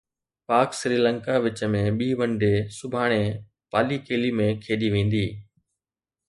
پاڪ سريلنڪا وچ ۾ ٻي ون ڊي سڀاڻي پالي ڪيلي ۾ کيڏي ويندي